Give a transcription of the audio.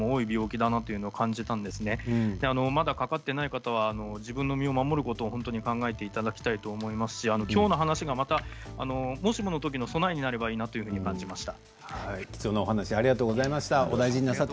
まだかかっていない方は自分の身を守ることを本当に考えていただきたいと思いますしきょうの話が、もしものときの備えになればいいなと感じました。